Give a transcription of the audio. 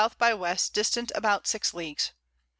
by W. distant about 6 Leagues.